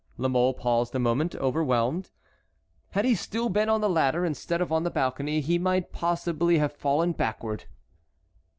La Mole paused a moment, overwhelmed. Had he still been on the ladder instead of on the balcony he might possibly have fallen backward.